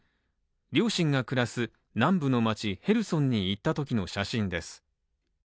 両親が暮らす南部の街、ヘルソンに行ったときの写真です。